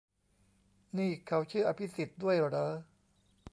นี่เขาชื่ออภิสิทธิ์ด้วยเหรอ ?